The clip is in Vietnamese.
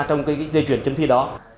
trong cái dây chuyển chấm thi đó